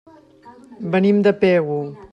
Venim de Pego.